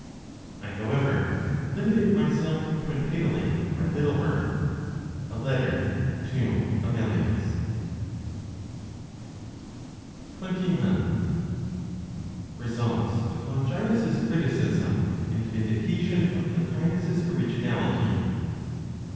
" I, however, limited myself to entitling my little work, "A Letter to Amelius." XXI. RESULTS OF LONGINUS'S CRITICISM AND VINDICATION OF PLOTINOS'S ORIGINALITY.